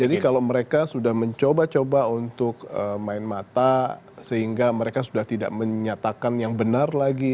jadi kalau mereka sudah mencoba coba untuk main mata sehingga mereka sudah tidak menyatakan yang benar lagi